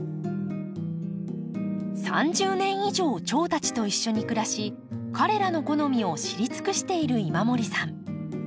３０年以上チョウたちと一緒に暮らし彼らの好みを知り尽くしている今森さん。